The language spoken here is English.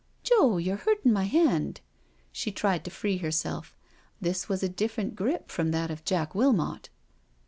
" Joe, you're hurting my hand." She tried to free herself. This was a different grip from that of Jack Wilmot.